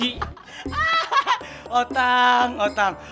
ah oh tang oh tang